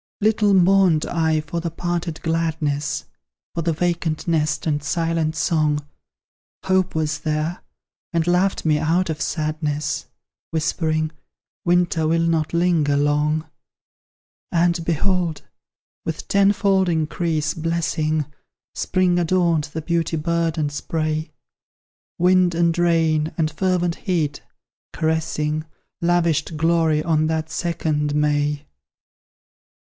Little mourned I for the parted gladness, For the vacant nest and silent song Hope was there, and laughed me out of sadness; Whispering, "Winter will not linger long!" And, behold! with tenfold increase blessing, Spring adorned the beauty burdened spray; Wind and rain and fervent heat, caressing, Lavished glory on that second May!